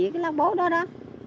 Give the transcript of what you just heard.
cái lá bố đó đó